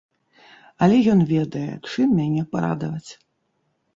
Але ён ведае, чым мяне парадаваць.